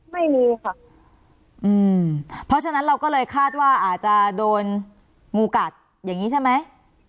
ไม่มีค่ะอืมเพราะฉะนั้นเราก็เลยคาดว่าอาจจะโดนงูกัดอย่างนี้ใช่ไหม